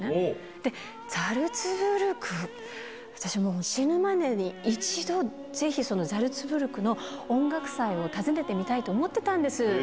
で、ザルツブルク、私も死ぬまでに一度、ぜひザルツブルクの音楽祭を訪ねてみたいと思ってたんです。